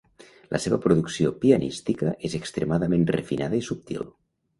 La seva producció pianística és extremadament refinada i subtil.